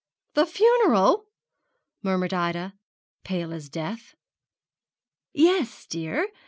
'The funeral!' murmured Ida, pale as death. 'Yes, dear.